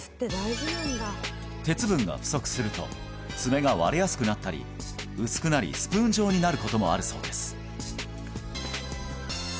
鉄分が不足すると爪が割れやすくなったり薄くなりスプーン状になることもあるそうです